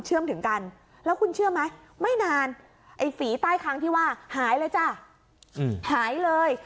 ถึงกันแล้วคุณเชื่อไหมไม่นานไอ้ฝีใต้ค้างที่ว่าหายเลยจ้ะหายเลย